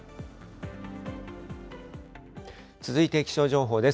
続いて気象情報です。